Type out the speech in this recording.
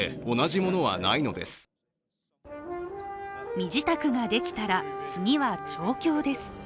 身支度ができたら、次は調教です。